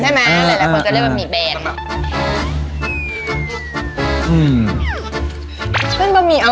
ใช่มั้ยหลายคนจะเรียกว่าบะหมี่แบน